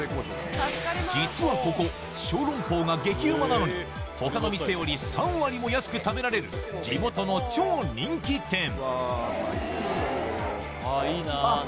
実はここ小籠包が激ウマなのに他の店より３割も安く食べられる地元の超人気店あっ